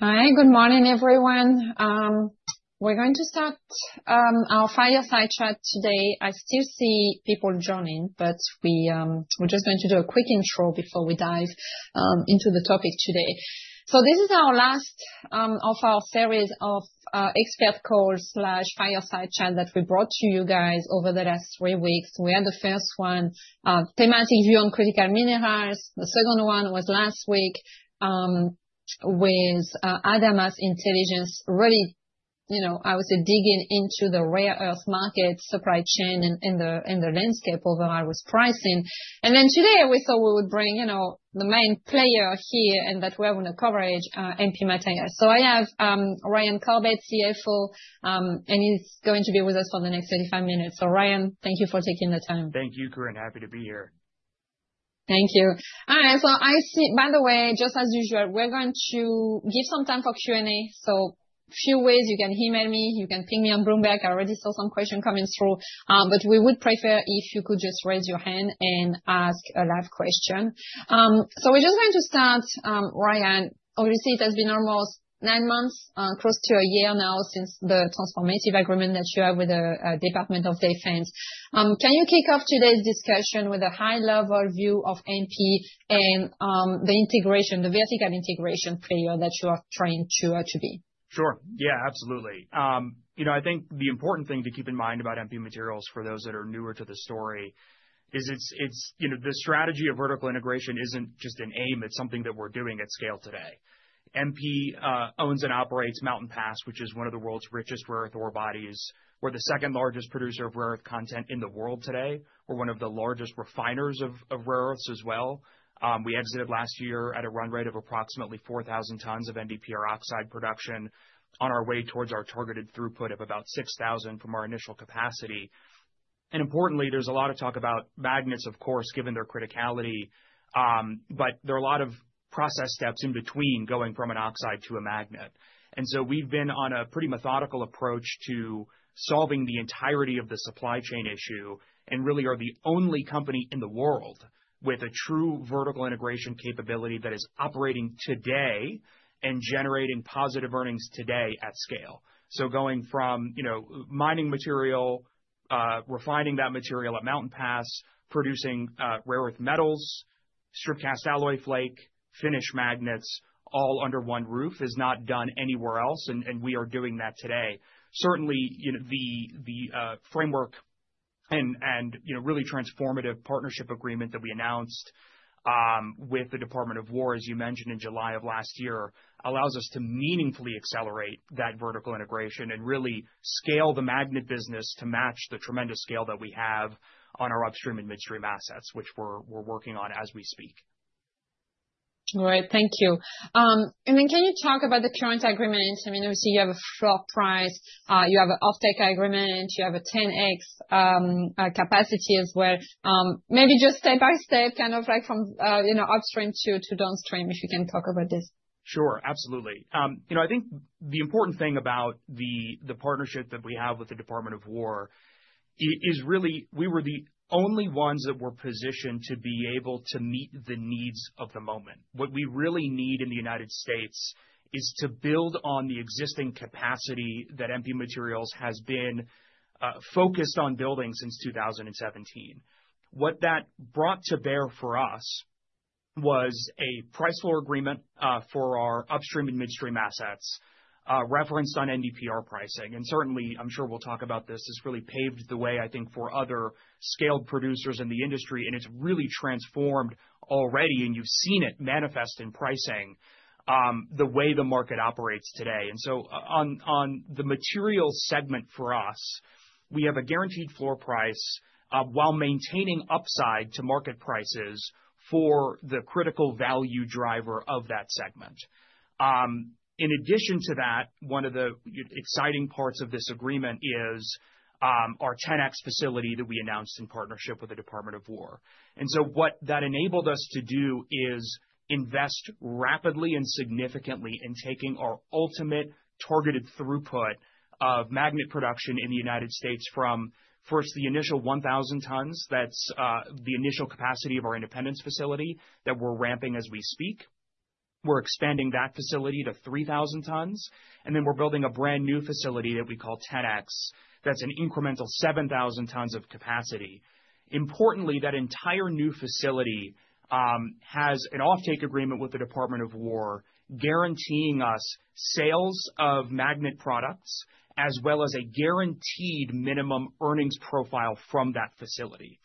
Hi, good morning, everyone. We're going to start our fireside chat today. I still see people joining, but we're just going to do a quick intro before we dive into the topic today. This is our last of our series of expert call/fireside chat that we brought to you guys over the last three weeks. We had the first one, thematic view on critical minerals. The second one was last week with Adamas Intelligence. Really, you know, I would say, digging into the rare earth market supply chain and the landscape overall with pricing. Then today we thought we would bring, you know, the main player here and that we have under coverage, MP Materials. I have Ryan Corbett, CFO, and he's going to be with us for the next 35 minutes. Ryan, thank you for taking the time. Thank you, Corinne. Happy to be here. Thank you. All right. By the way, just as usual, we're going to give some time for Q&A. Few ways, you can email me, you can ping me on Bloomberg. I already saw some questions coming through. But we would prefer if you could just raise your hand and ask a live question. We're just going to start, Ryan. Obviously it has been almost nine months, close to a year now since the transformative agreement that you have with the Department of Defense. Can you kick off today's discussion with a high level view of MP and the integration, the vertical integration player that you are trying to be? Sure. Yeah, absolutely. You know, I think the important thing to keep in mind about MP Materials for those that are newer to the story is it's you know, the strategy of vertical integration isn't just an aim, it's something that we're doing at scale today. MP owns and operates Mountain Pass, which is one of the world's richest rare earth ore bodies. We're the second largest producer of rare earth content in the world today. We're one of the largest refiners of rare earths as well. We exited last year at a run rate of approximately 4,000 tons of NdPr oxide production on our way towards our targeted throughput of about 6,000 from our initial capacity. Importantly, there's a lot of talk about magnets, of course, given their criticality. There are a lot of process steps in between going from an oxide to a magnet. We've been on a pretty methodical approach to solving the entirety of the supply chain issue, and really are the only company in the world with a true vertical integration capability that is operating today and generating positive earnings today at scale. Going from, you know, mining material, refining that material at Mountain Pass, producing rare earth metals, strip cast alloy flake, finished magnets, all under one roof is not done anywhere else, and we are doing that today. Certainly, you know, the framework and you know, really transformative partnership agreement that we announced with the Department of War as you mentioned in July of last year, allows us to meaningfully accelerate that vertical integration and really scale the magnet business to match the tremendous scale that we have on our upstream and midstream assets, which we're working on as we speak. All right. Thank you. I mean, can you talk about the current agreement? I mean, obviously you have a floor price, you have a offtake agreement, you have a 10X capacity as well. Maybe just step by step, kind of like from, you know, upstream to downstream, if you can talk about this. Sure, absolutely. You know, I think the important thing about the partnership that we have with the Department of War is really we were the only ones that were positioned to be able to meet the needs of the moment. What we really need in the United States is to build on the existing capacity that MP Materials has been focused on building since 2017. What that brought to bear for us was a price floor agreement for our upstream and midstream assets, referenced on NdPr pricing. Certainly, I'm sure we'll talk about this. This really paved the way, I think, for other scaled producers in the industry, and it's really transformed already, and you've seen it manifest in pricing, the way the market operates today. On the Materials Segment for us, we have a guaranteed floor price while maintaining upside to market prices for the critical value driver of that segment. In addition to that, one of the exciting parts of this agreement is our 10X facility that we announced in partnership with the Department of War. What that enabled us to do is invest rapidly and significantly in taking our ultimate targeted throughput of magnet production in the United States from the initial 1,000 tons. That's the initial capacity of our Independence facility that we're ramping as we speak. We're expanding that facility to 3,000 tons, and then we're building a brand new facility that we call 10X. That's an incremental 7,000 tons of capacity. Importantly, that entire new facility has an offtake agreement with the Department of War, guaranteeing us sales of magnet products, as well as a guaranteed minimum earnings profile from that facility.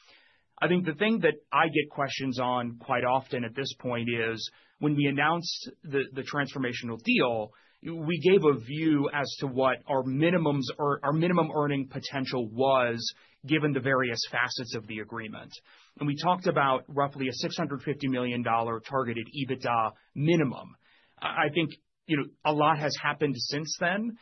I think the thing that I get questions on quite often at this point is when we announced the transformational deal, we gave a view as to what our minimums or our minimum earning potential was, given the various facets of the agreement. We talked about roughly a $650 million targeted EBITDA minimum. I think, you know, a lot has happened since then.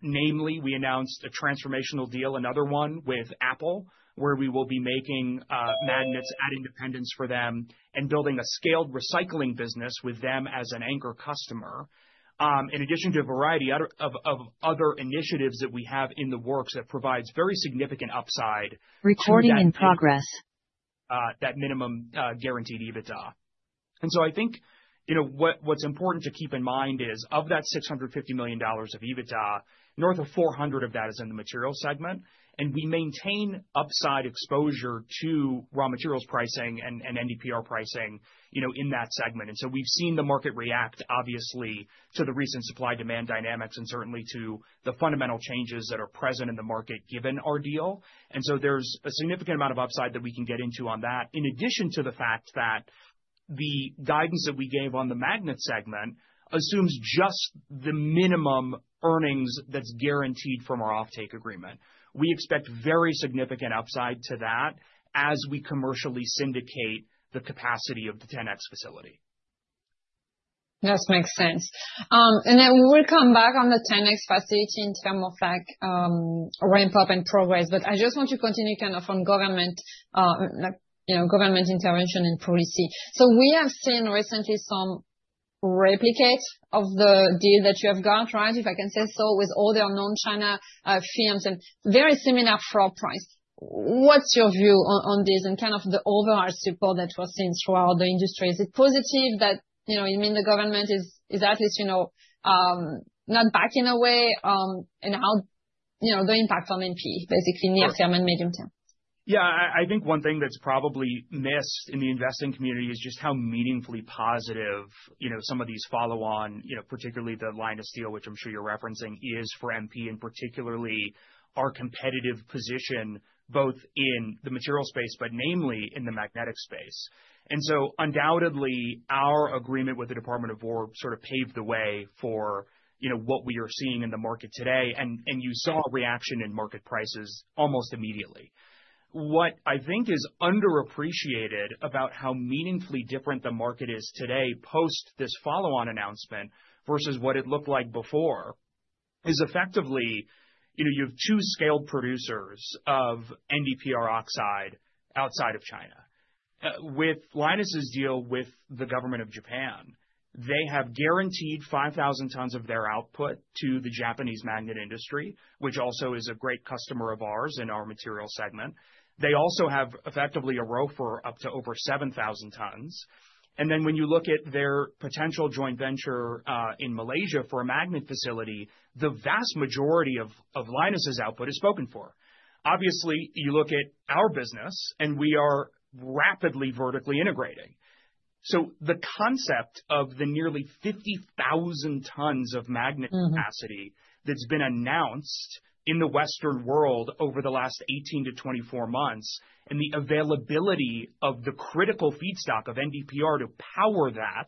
Namely, we announced a transformational deal, another one with Apple, where we will be making magnets at Independence for them and building a scaled recycling business with them as an anchor customer. In addition to a variety other of other initiatives that we have in the works that provides very significant upside to that. That minimum guaranteed EBITDA. I think, you know, what's important to keep in mind is of that $650 million of EBITDA, north of $400 million of that is in the Materials Segment. We maintain upside exposure to raw materials pricing and NdPr pricing, you know, in that segment. We've seen the market react, obviously, to the recent supply-demand dynamics and certainly to the fundamental changes that are present in the market given our deal. There's a significant amount of upside that we can get into on that. In addition to the fact that the guidance that we gave on the Magnet Segment assumes just the minimum earnings that's guaranteed from our offtake agreement. We expect very significant upside to that as we commercially syndicate the capacity of the 10X facility. Yes, makes sense. Then we will come back on the 10X facility in terms of like, ramp-up and progress. I just want to continue kind of on government, like, you know, government intervention and policy. We have seen recently some replication of the deal that you have got, right? If I can say so, with all the unknown China firms and very similar for Apple. What's your view on this and kind of the overall support that we're seeing throughout the industry? Is it positive that, you know, you mean the government is at least, you know, not backing away, and how, you know, the impact on MP basically near term and medium term? Yeah. I think one thing that's probably missed in the investing community is just how meaningfully positive, you know, some of these follow-on, you know, particularly the Lynas deal, which I'm sure you're referencing, is for MP, and particularly our competitive position, both in the material space, but namely in the magnetic space. You saw a reaction in market prices almost immediately. What I think is underappreciated about how meaningfully different the market is today post this follow-on announcement versus what it looked like before is effectively, you know, you have two scaled producers of NdPr oxide outside of China. With Lynas's deal with the government of Japan, they have guaranteed 5,000 tons of their output to the Japanese magnet industry, which also is a great customer of ours in our Material Segment. They also have effectively a ROFR up to over 7,000 tons. When you look at their potential joint venture in Malaysia for a magnet facility, the vast majority of Lynas's output is spoken for. Obviously, you look at our business, and we are rapidly vertically integrating. The concept of the nearly 50,000 tons of magnet capacity that's been announced in the Western world over the last 18-24 months, and the availability of the critical feedstock of NdPr to power that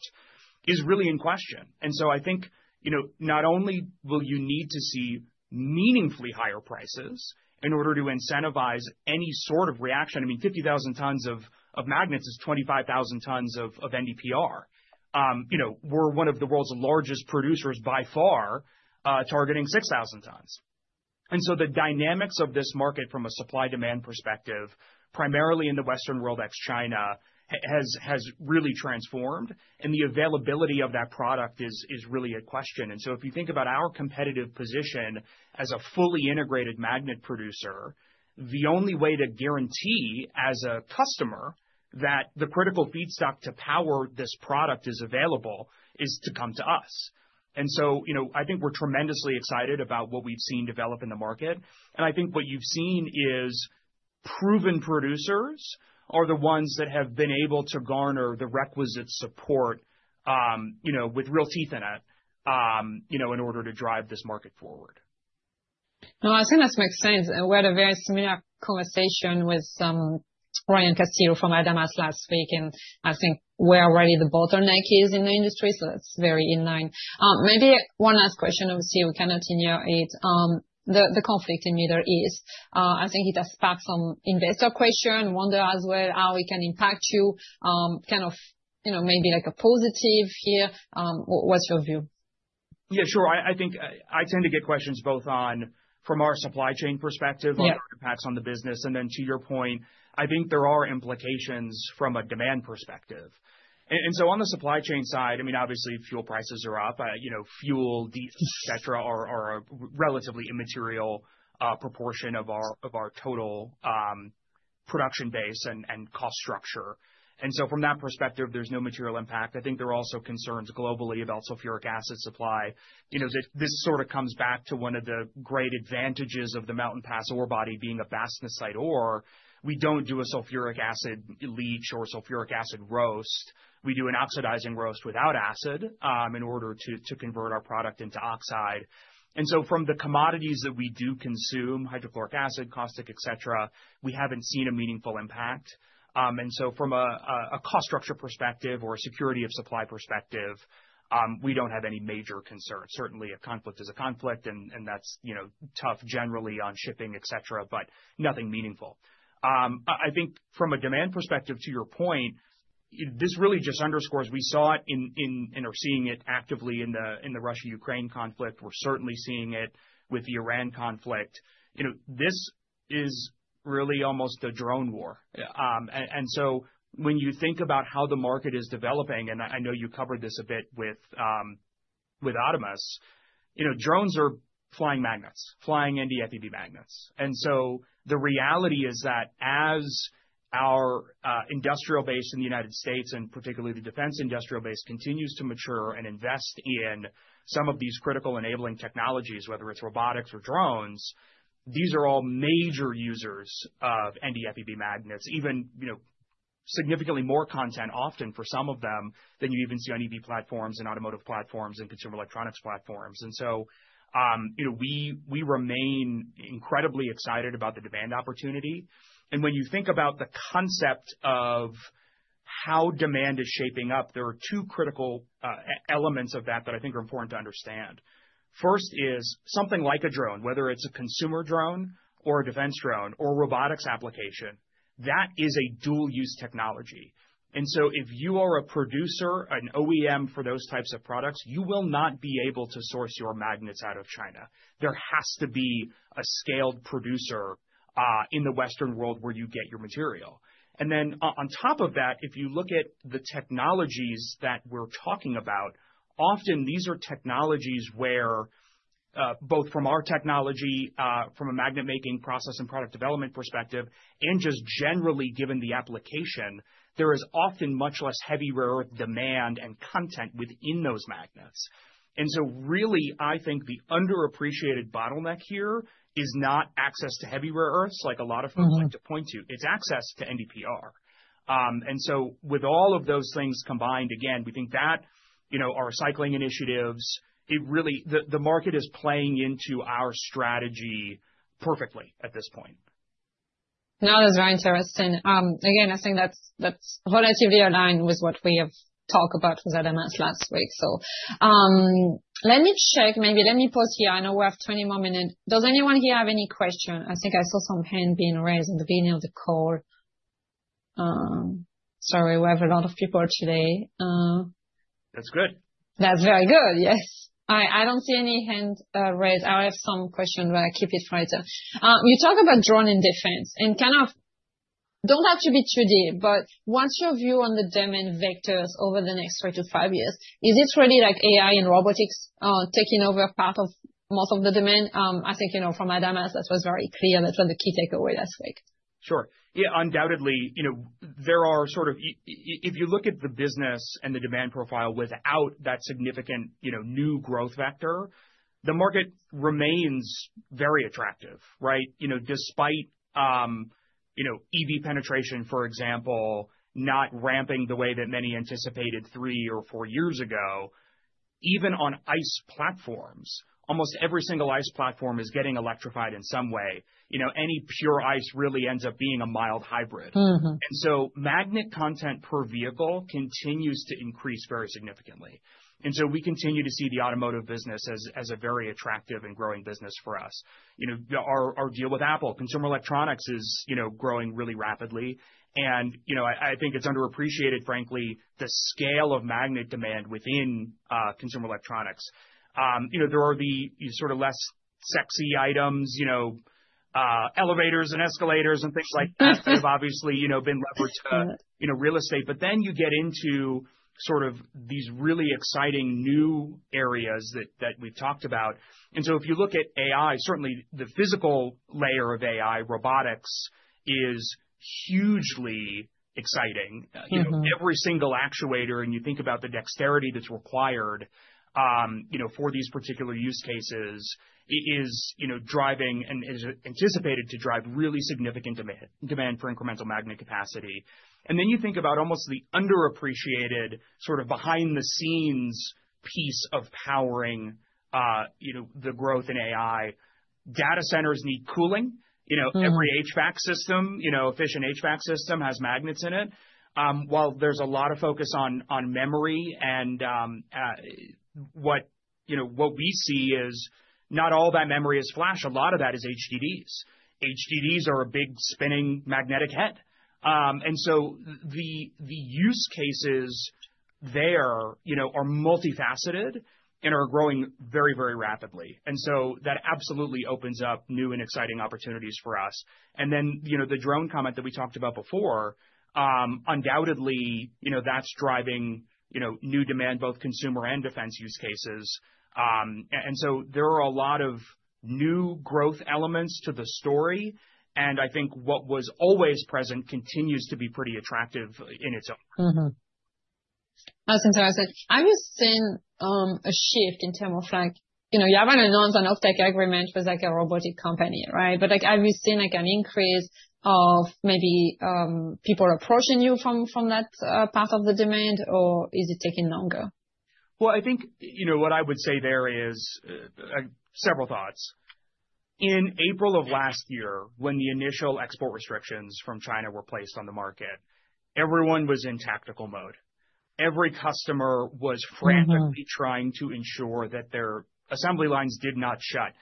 is really in question. I think, you know, not only will you need to see meaningfully higher prices in order to incentivize any sort of reaction. I mean, 50,000 tons of magnets is 25,000 tons of NdPr. You know, we're one of the world's largest producers by far, targeting 6,000 tons. The dynamics of this market from a supply-demand perspective, primarily in the Western world, ex China, has really transformed, and the availability of that product is really a question. If you think about our competitive position as a fully integrated magnet producer, the only way to guarantee as a customer that the critical feedstock to power this product is available is to come to us. You know, I think we're tremendously excited about what we've seen develop in the market, and I think what you've seen is proven producers are the ones that have been able to garner the requisite support, you know, with real teeth in it, you know, in order to drive this market forward. No, I think that makes sense. We had a very similar conversation with Ryan Castilloux from Adamas last week, and I think we're already the both are Nikes in the industry, so that's very in line. Maybe one last question, obviously, we cannot ignore it. The conflict in Middle East, I think it has sparked some investor question, wonder as well how it can impact you, kind of, you know, maybe like a positive here. What's your view? Yeah, sure. I think I tend to get questions both on, from our supply chain perspective. Yeah. On the impacts on the business. Then to your point, I think there are implications from a demand perspective. So on the supply chain side, I mean, obviously fuel prices are up. You know, fuel, diesel, et cetera, are a relatively immaterial proportion of our total production base and cost structure. So from that perspective, there's no material impact. I think there are also concerns globally about sulfuric acid supply. You know, this sort of comes back to one of the great advantages of the Mountain Pass ore body being a bastnaesite ore. We don't do a sulfuric acid leach or sulfuric acid roast. We do an oxidizing roast without acid in order to convert our product into oxide. From the commodities that we do consume, hydrochloric acid, caustic, et cetera, we haven't seen a meaningful impact. From a cost structure perspective or a security of supply perspective, we don't have any major concerns. Certainly a conflict is a conflict and that's, you know, tough generally on shipping, et cetera, but nothing meaningful. I think from a demand perspective, to your point, this really just underscores we saw it in and are seeing it actively in the Russia-Ukraine conflict. We're certainly seeing it with the Iran conflict. You know, this is really almost a drone war. When you think about how the market is developing, and I know you covered this a bit with Adamas, you know, drones are flying magnets, flying NdFeB magnets. The reality is that as our industrial base in the United States, and particularly the defense industrial base, continues to mature and invest in some of these critical enabling technologies, whether it's robotics or drones, these are all major users of NdFeB magnets, even, you know, significantly more content often for some of them than you even see on EV platforms and automotive platforms and consumer electronics platforms. We remain incredibly excited about the demand opportunity. When you think about the concept of how demand is shaping up, there are two critical elements of that that I think are important to understand. First is something like a drone, whether it's a consumer drone or a defense drone or robotics application, that is a dual use technology. If you are a producer, an OEM for those types of products, you will not be able to source your magnets out of China. There has to be a scaled producer in the Western world where you get your material. If you look at the technologies that we're talking about, often these are technologies where both from our technology from a magnet-making process and product development perspective, and just generally given the application, there is often much less heavy rare earth demand and content within those magnets. Really, I think the underappreciated bottleneck here is not access to heavy rare earths like a lot of folks like to point to. It's access to NdPr. With all of those things combined, again, we think that, you know, our cycling initiatives, the market is playing into our strategy perfectly at this point. No, that's very interesting. Again, I think that's relatively aligned with what we have talked about with Adamas last week. Let me check. Maybe let me pause here. I know we have 20 more minutes. Does anyone here have any question? I think I saw some hand being raised at the beginning of the call. Sorry, we have a lot of people today. That's good. That's very good. Yes. I don't see any hand raised. I have some question, but I keep it for later. You talk about drone and defense and kind of don't have to be too deep, but what's your view on the demand vectors over the next three to five years? Is this really like AI and robotics taking over part of most of the demand? I think, you know, from Adamas, that was very clear, and that's one of the key takeaway last week. Sure. Yeah, undoubtedly, you know, there are sort of if you look at the business and the demand profile without that significant, you know, new growth vector, the market remains very attractive, right? You know, despite, you know, EV penetration, for example, not ramping the way that many anticipated three or four years ago, even on ICE platforms, almost every single ICE platform is getting electrified in some way. You know, any pure ICE really ends up being a mild hybrid. Mm-hmm. Magnet content per vehicle continues to increase very significantly. We continue to see the automotive business as a very attractive and growing business for us. You know, our deal with Apple, consumer electronics is, you know, growing really rapidly. You know, I think it's underappreciated, frankly, the scale of magnet demand within consumer electronics. You know, there are the sort of less sexy items, you know, elevators and escalators and things like that have obviously, you know, been referenced, you know, real estate. But then you get into sort of these really exciting new areas that we've talked about. If you look at AI, certainly the physical layer of AI, robotics, is hugely exciting. Mm-hmm. You know, every single actuator, and you think about the dexterity that's required, you know, for these particular use cases is, you know, driving and is anticipated to drive really significant demand for incremental magnet capacity. Then you think about almost the underappreciated sort of behind the scenes piece of powering, you know, the growth in AI. Data centers need cooling. Mm. You know, every HVAC system, you know, efficient HVAC system has magnets in it. While there's a lot of focus on memory and, you know, what we see is not all that memory is flash. A lot of that is HDDs. HDDs are a big spinning magnetic head. The use cases there, you know, are multifaceted and are growing very, very rapidly. That absolutely opens up new and exciting opportunities for us. You know, the drone comment that we talked about before, undoubtedly, you know, that's driving, you know, new demand, both consumer and defense use cases. There are a lot of new growth elements to the story, and I think what was always present continues to be pretty attractive in its own right. Mm-hmm. That's interesting. Have you seen a shift in terms of like, you know, you have announced an offtake agreement with like a robotic company, right? Like, have you seen like an increase of maybe people approaching you from that part of the demand, or is it taking longer? Well, I think, you know, what I would say there is, several thoughts. In April of last year, when the initial export restrictions from China were placed on the market, everyone was in tactical mode. Every customer was frantically- Mm-hmm. Trying to ensure that their assembly lines did not shut.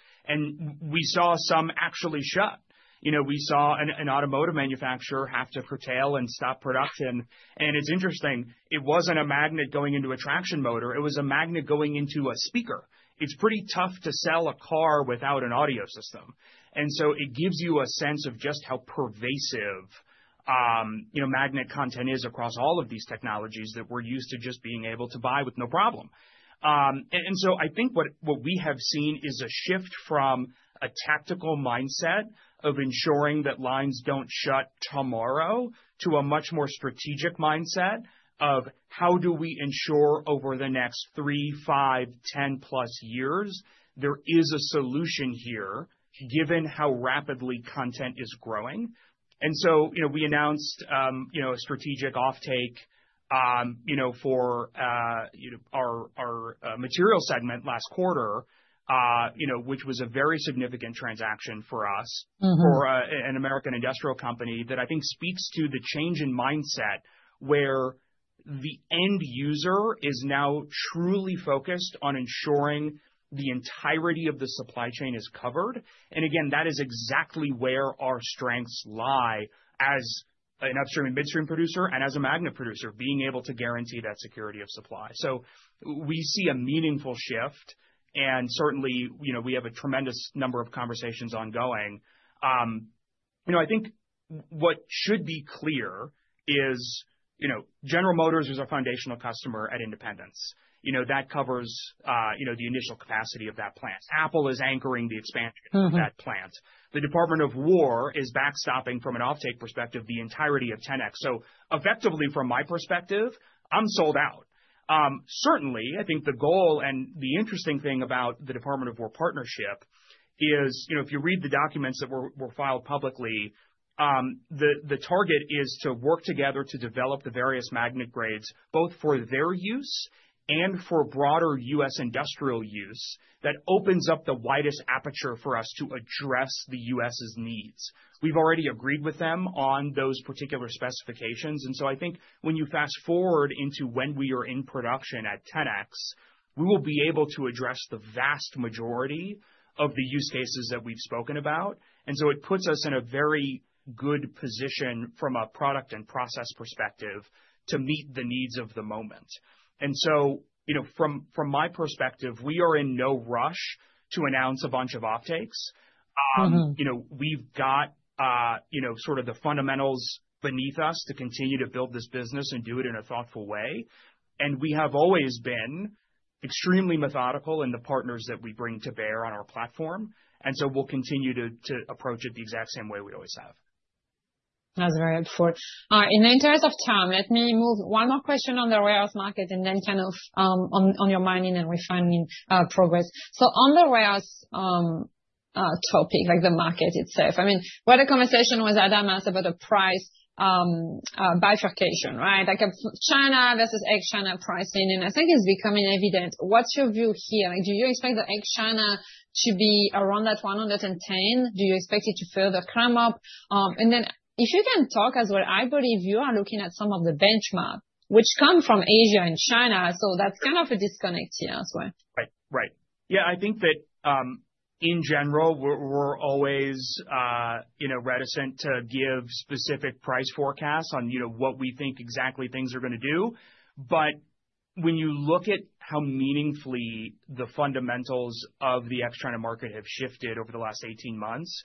We saw some actually shut. You know, we saw an automotive manufacturer have to curtail and stop production. It's interesting, it wasn't a magnet going into a traction motor. It was a magnet going into a speaker. It's pretty tough to sell a car without an audio system. So it gives you a sense of just how pervasive, you know, magnet content is across all of these technologies that we're used to just being able to buy with no problem. So I think what we have seen is a shift from a tactical mindset of ensuring that lines don't shut tomorrow to a much more strategic mindset of how do we ensure over the next three, five, 10+ years there is a solution here given how rapidly content is growing. You know, we announced, you know, a strategic offtake, you know, for, you know, our Material Segment last quarter, you know, which was a very significant transaction for us. Mm-hmm. For an American industrial company that I think speaks to the change in mindset where the end user is now truly focused on ensuring the entirety of the supply chain is covered. That is exactly where our strengths lie as an upstream and midstream producer and as a magnet producer, being able to guarantee that security of supply. We see a meaningful shift. Certainly, you know, we have a tremendous number of conversations ongoing. You know, I think what should be clear is, you know, General Motors is our foundational customer at Independence. You know, that covers, you know, the initial capacity of that plant. Apple is anchoring the expansion of that plant. Mm-hmm. The Department of War is backstopping from an offtake perspective the entirety of 10X. Effectively from my perspective, I'm sold out. Certainly I think the goal and the interesting thing about the Department of War partnership is, you know, if you read the documents that were filed publicly, the target is to work together to develop the various magnet grades both for their use and for broader U.S. industrial use that opens up the widest aperture for us to address the U.S.' needs. We've already agreed with them on those particular specifications. I think when you fast-forward into when we are in production at 10X, we will be able to address the vast majority of the use cases that we've spoken about. It puts us in a very good position from a product and process perspective to meet the needs of the moment. You know, from my perspective, we are in no rush to announce a bunch of offtakes. Mm-hmm. You know, we've got you know, sort of the fundamentals beneath us to continue to build this business and do it in a thoughtful way. We have always been extremely methodical in the partners that we bring to bear on our platform. We'll continue to approach it the exact same way we always have. That's very helpful. In the interest of time, let me move one more question on the rare earths market and then kind of on your mining and refining progress. On the rare earths topic, like the market itself, I mean, we had a conversation with Adamas about the price bifurcation, right? Like China versus ex-China pricing, and I think it's becoming evident. What's your view here? Like do you expect the ex-China to be around that 110? Do you expect it to further climb up? And then if you can talk as well, I believe you are looking at some of the benchmarks which come from Asia and China, so that's kind of a disconnect here as well. Right. Yeah, I think that, in general we're always, you know, reticent to give specific price forecasts on, you know, what we think exactly things are gonna do. When you look at how meaningfully the fundamentals of the ex-China market have shifted over the last 18 months,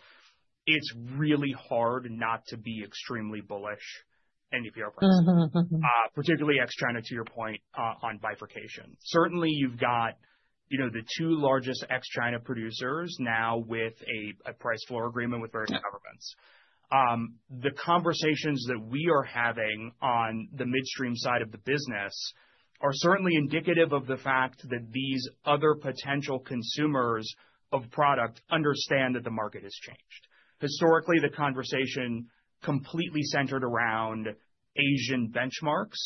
it's really hard not to be extremely bullish NdPr prices. Mm-hmm. Mm-hmm. Particularly ex-China to your point on bifurcation. Certainly you've got, you know, the two largest ex-China producers now with a price floor agreement with various governments. The conversations that we are having on the midstream side of the business are certainly indicative of the fact that these other potential consumers of product understand that the market has changed. Historically, the conversation completely centered around Asian benchmarks.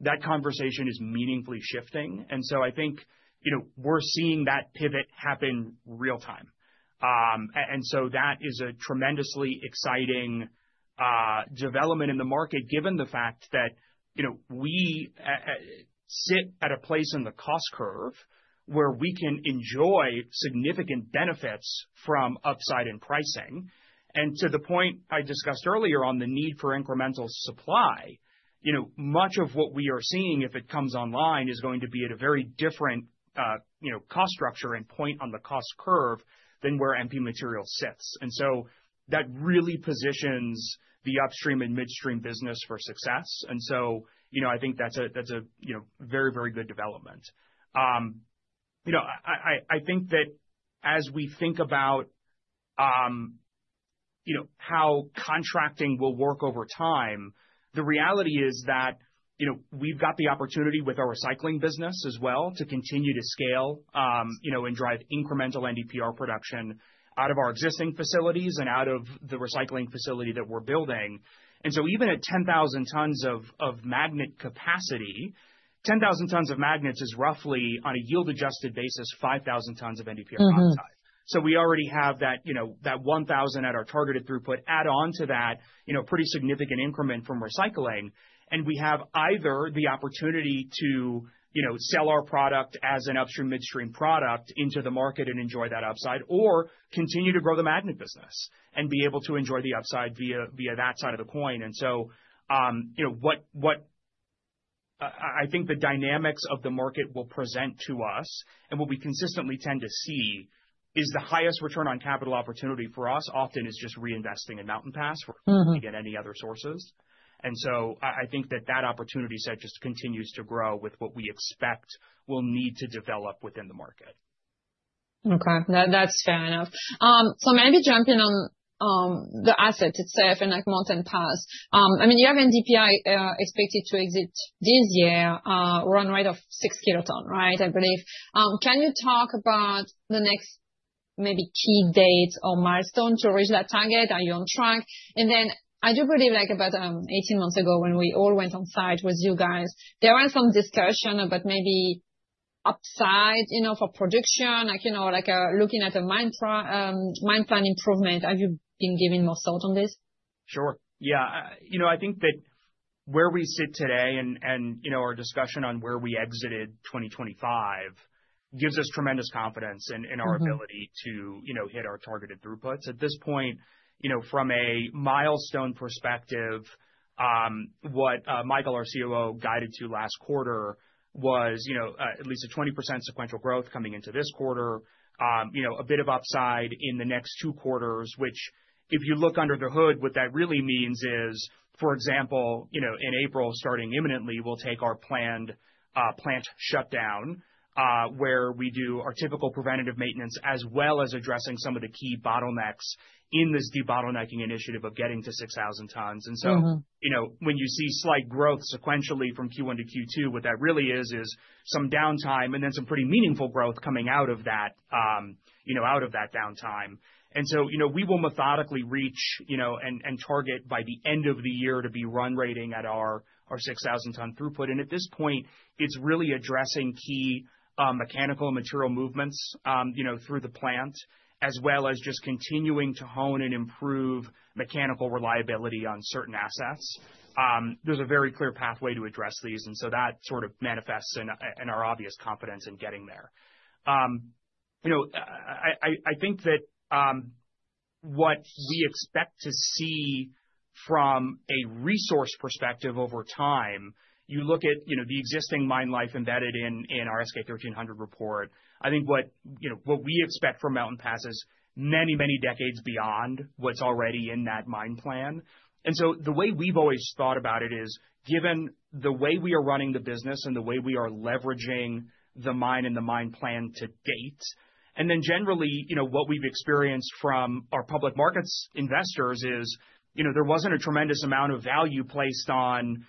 That conversation is meaningfully shifting. I think, you know, we're seeing that pivot happen real time. That is a tremendously exciting development in the market given the fact that, you know, we sit at a place in the cost curve where we can enjoy significant benefits from upside in pricing. To the point I discussed earlier on the need for incremental supply, you know, much of what we are seeing, if it comes online, is going to be at a very different, you know, cost structure and point on the cost curve than where MP Materials sits. That really positions the upstream and midstream business for success. You know, I think that as we think about how contracting will work over time, the reality is that, you know, we've got the opportunity with our recycling business as well to continue to scale, you know, and drive incremental NdPr production out of our existing facilities and out of the recycling facility that we're building. Even at 10,000 tons of magnet capacity, 10,000 tons of magnets is roughly, on a yield adjusted basis, 5,000 tons of NdPr oxide. Mm-hmm. We already have that, you know, that 1,000 at our targeted throughput. Add on to that, you know, pretty significant increment from recycling, and we have either the opportunity to, you know, sell our product as an upstream/midstream product into the market and enjoy that upside or continue to grow the magnet business and be able to enjoy the upside via that side of the coin. You know, what I think the dynamics of the market will present to us, and what we consistently tend to see is the highest return on capital opportunity for us often is just reinvesting in Mountain Pass. Mm-hmm ...than any other sources. I think that opportunity set just continues to grow with what we expect we'll need to develop within the market. Okay. That's fair enough. Maybe jumping on the asset itself and like Mountain Pass. I mean, you have NdPr expected to exit this year run rate of 6 kt, right, I believe. Can you talk about the next maybe key dates or milestones to reach that target? Are you on track? I do believe like about 18 months ago, when we all went on site with you guys, there was some discussion about maybe upside, you know, for production, like, you know, like looking at a mine plan improvement. Have you been giving more thought on this? Sure. Yeah. You know, I think that where we sit today and, you know, our discussion on where we exited 2025 gives us tremendous confidence in our ability. Mm-hmm ...to, you know, hit our targeted throughputs. At this point, you know, from a milestone perspective, what Michael, our COO, guided to last quarter was, you know, at least a 20% sequential growth coming into this quarter. You know, a bit of upside in the next two quarters, which if you look under the hood, what that really means is, for example, you know, in April, starting imminently, we'll take our planned plant shutdown, where we do our typical preventative maintenance, as well as addressing some of the key bottlenecks in this debottlenecking initiative of getting to 6,000 tons. Mm-hmm. You know, when you see slight growth sequentially from Q1-Q2, what that really is some downtime and then some pretty meaningful growth coming out of that, you know, out of that downtime. You know, we will methodically reach, you know, and target by the end of the year to be run rating at our 6,000 ton throughput. At this point, it's really addressing key mechanical material movements, you know, through the plant, as well as just continuing to hone and improve mechanical reliability on certain assets. There's a very clear pathway to address these, and so that sort of manifests in our obvious confidence in getting there. You know, I think that what we expect to see from a resource perspective over time, you look at, you know, the existing mine life embedded in our S-K 1300 report. I think what we expect from Mountain Pass is many decades beyond what's already in that mine plan. The way we've always thought about it is, given the way we are running the business and the way we are leveraging the mine and the mine plan to date, and then generally, you know, what we've experienced from our public markets investors is, you know, there wasn't a tremendous amount of value placed on, you know,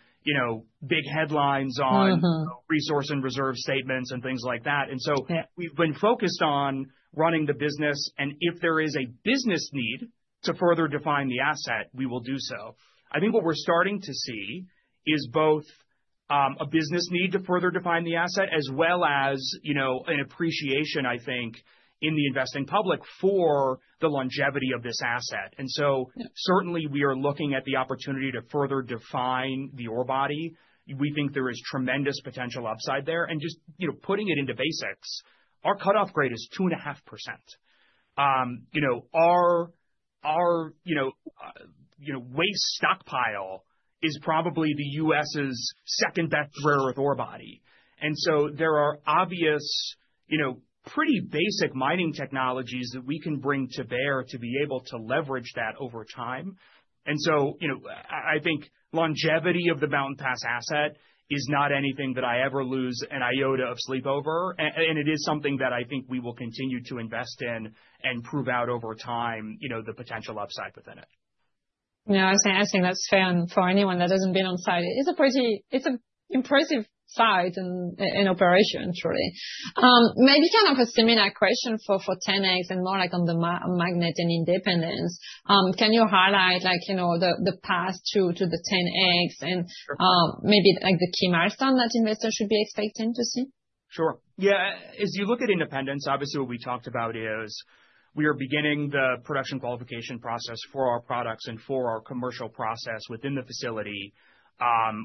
big headlines on Mm-hmm Resource and reserve statements and things like that. Yeah. We've been focused on running the business, and if there is a business need to further define the asset, we will do so. I think what we're starting to see is both a business need to further define the asset, as well as, you know, an appreciation, I think, in the investing public for the longevity of this asset. Certainly we are looking at the opportunity to further define the ore body. We think there is tremendous potential upside there. Just, you know, putting it into basics, our cutoff grade is 2.5%. You know, our waste stockpile is probably the U.S.' second best rare earth ore body. There are obvious, you know, pretty basic mining technologies that we can bring to bear to be able to leverage that over time. you know, I think longevity of the Mountain Pass asset is not anything that I ever lose an iota of sleep over. It is something that I think we will continue to invest in and prove out over time, you know, the potential upside within it. No, I think that's fair. For anyone that hasn't been on site, it's a pretty impressive site and operations, really. Maybe kind of a similar question for 10X and more like on the magnet and independence. Can you highlight, like, you know, the path to the 10X and maybe like the key milestone that investors should be expecting to see? Sure. Yeah. As you look at independence, obviously what we talked about is we are beginning the production qualification process for our products and for our commercial process within the facility.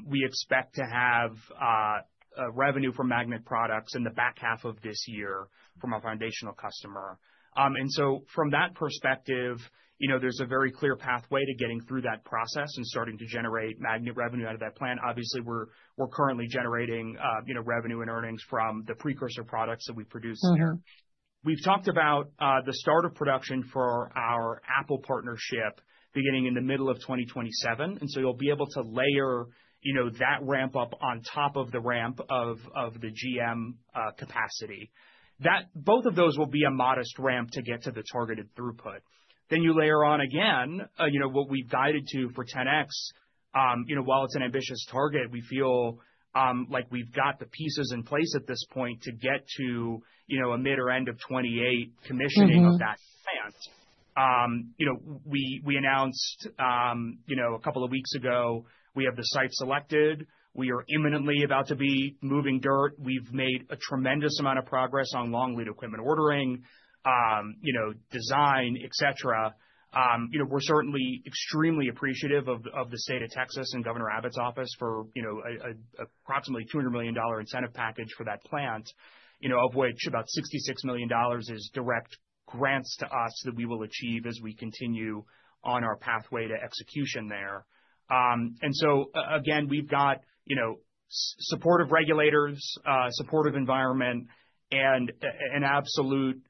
We expect to have a revenue for magnet products in the back half of this year from a foundational customer. From that perspective, you know, there's a very clear pathway to getting through that process and starting to generate magnet revenue out of that plant. Obviously, we're currently generating, you know, revenue and earnings from the precursor products that we produce. Mm-hmm. We've talked about the start of production for our Apple partnership beginning in the middle of 2027, and so you'll be able to layer, you know, that ramp up on top of the ramp of the GM capacity. Both of those will be a modest ramp to get to the targeted throughput. You layer on again, you know, what we've guided to for 10X. You know, while it's an ambitious target, we feel like we've got the pieces in place at this point to get to, you know, a mid or end of 2028 commissioning of Mm-hmm... that plant. You know, we announced you know a couple of weeks ago, we have the site selected. We are imminently about to be moving dirt. We've made a tremendous amount of progress on long-lead equipment ordering, you know, design, et cetera. You know, we're certainly extremely appreciative of the State of Texas and Greg Abbott's office for you know approximately $200 million incentive package for that plant, you know, of which about $66 million is direct grants to us that we will achieve as we continue on our pathway to execution there. Again, we've got you know supportive regulators, supportive environment and an absolute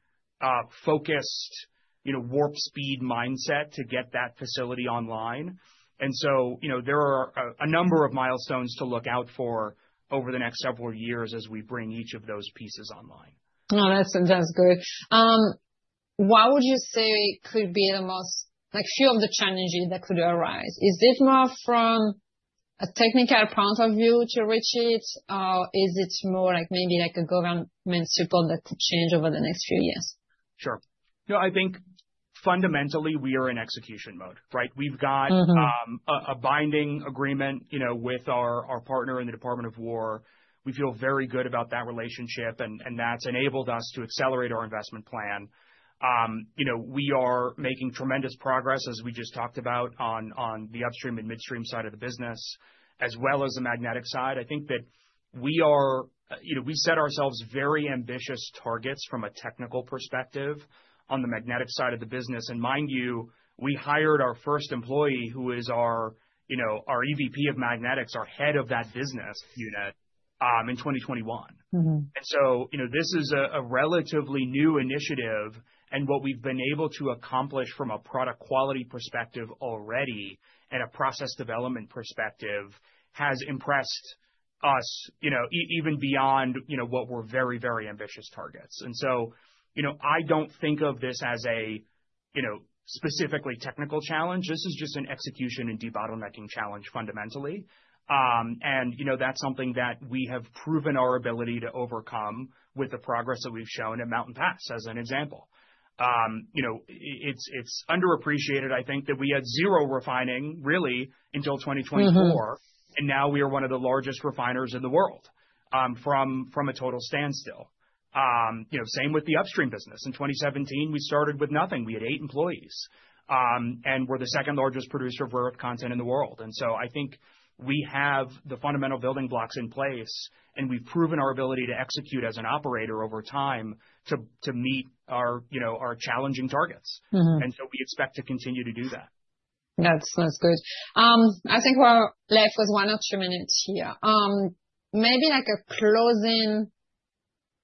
focused you know warp speed mindset to get that facility online. You know, there are a number of milestones to look out for over the next several years as we bring each of those pieces online. No, that's good. What would you say could be the most like, few of the challenges that could arise? Is this more from a technical point of view to reach it, or is it more like maybe like a government support that could change over the next few years? Sure. No, I think fundamentally we are in execution mode, right? Mm-hmm. We've got a binding agreement, you know, with our partner in the Department of War. We feel very good about that relationship, and that's enabled us to accelerate our investment plan. You know, we are making tremendous progress, as we just talked about on the upstream and midstream side of the business, as well as the magnetic side. I think that we are. You know, we set ourselves very ambitious targets from a technical perspective on the magnetic side of the business. Mind you, we hired our first employee who is our, you know, our EVP of Magnetics, our head of that business unit, in 2021. Mm-hmm. You know, this is a relatively new initiative, and what we've been able to accomplish from a product quality perspective already and a process development perspective has impressed us, you know, even beyond, you know, what were very, very ambitious targets. You know, I don't think of this as a, you know, specifically technical challenge. This is just an execution and debottlenecking challenge fundamentally. You know, that's something that we have proven our ability to overcome with the progress that we've shown at Mountain Pass, as an example. You know, it's underappreciated, I think, that we had zero refining really until 2024. Mm-hmm. Now we are one of the largest refiners in the world, from a total standstill. You know, same with the upstream business. In 2017 we started with nothing. We had eight employees. We're the second largest producer of rare earth content in the world. I think we have the fundamental building blocks in place, and we've proven our ability to execute as an operator over time to meet our, you know, our challenging targets. Mm-hmm. We expect to continue to do that. That's good. I think we're left with one or two minutes here. Maybe like a closing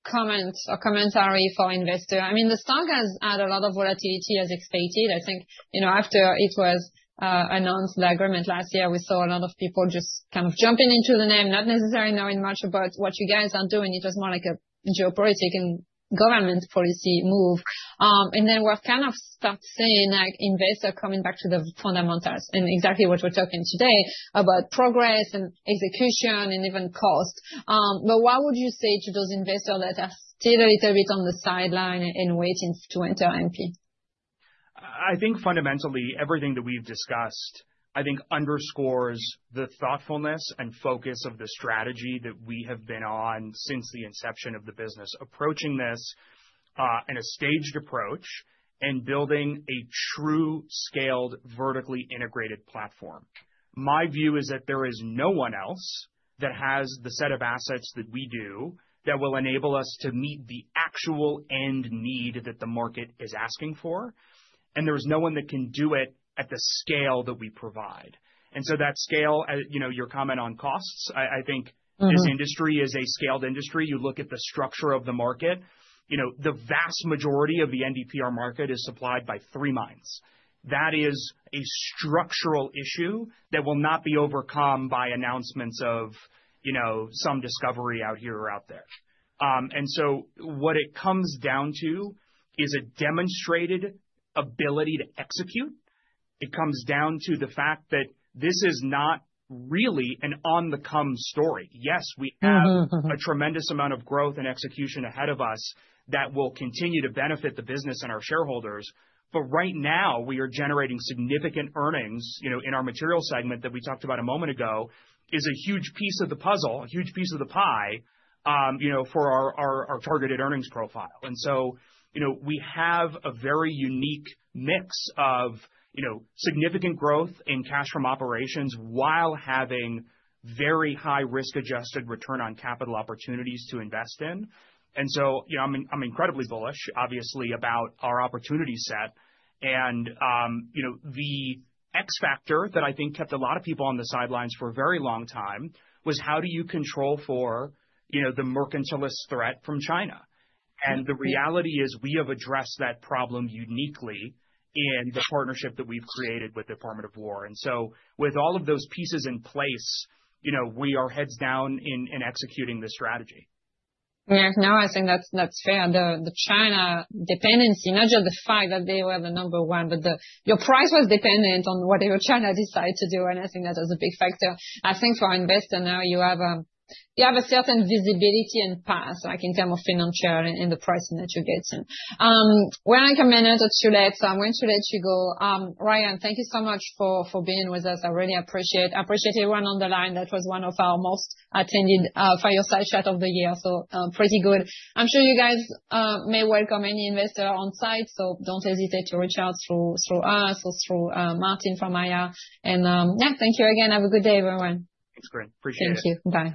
comment or commentary for investor. I mean, the stock has had a lot of volatility as expected. I think, you know, after it was announced, the agreement last year, we saw a lot of people just kind of jumping into the name, not necessarily knowing much about what you guys are doing. It was more like a geopolitical and government policy move. Then we're kind of start seeing, like, investor coming back to the fundamentals and exactly what we're talking today about progress and execution and even cost. What would you say to those investors that are still a little bit on the sideline and waiting to enter MP? I think fundamentally everything that we've discussed, I think underscores the thoughtfulness and focus of the strategy that we have been on since the inception of the business, approaching this, in a staged approach and building a true scaled, vertically integrated platform. My view is that there is no one else that has the set of assets that we do that will enable us to meet the actual end need that the market is asking for, and there is no one that can do it at the scale that we provide. That scale, you know, your comment on costs, I think- Mm-hmm. This industry is a scaled industry. You look at the structure of the market. You know, the vast majority of the NdPr market is supplied by three mines. That is a structural issue that will not be overcome by announcements of, you know, some discovery out here or out there. What it comes down to is a demonstrated ability to execute. It comes down to the fact that this is not really an on-the-come story. Yes, we have Mm-hmm. A tremendous amount of growth and execution ahead of us that will continue to benefit the business and our shareholders, but right now we are generating significant earnings, you know, in our Material Segment that we talked about a moment ago is a huge piece of the puzzle, a huge piece of the pie, you know, for our targeted earnings profile. You know, we have a very unique mix of, you know, significant growth in cash from operations while having very high risk-adjusted return on capital opportunities to invest in. You know, I'm incredibly bullish obviously about our opportunity set. You know, the X factor that I think kept a lot of people on the sidelines for a very long time was how do you control for, you know, the mercantilist threat from China? The reality is we have addressed that problem uniquely in the partnership that we've created with the Department of War. With all of those pieces in place, you know, we are heads down in executing this strategy. Yeah. No, I think that's fair. The China dependency, not just the fact that they were number one, but your price was dependent on whatever China decided to do, and I think that is a big factor. I think for investors now you have a certain visibility and path, like in terms of financials and in the pricing that you're getting. We're on one or two minutes left, so I'm going to let you go. Ryan, thank you so much for being with us. I really appreciate it. I appreciate everyone on the line. That was one of our most attended fireside chat of the year. So, pretty good. I'm sure you guys may welcome any investor on-site, so don't hesitate to reach out through us or through Martin from IR. Yeah, thank you again. Have a good day, everyone. It's great. Appreciate it. Thank you. Bye.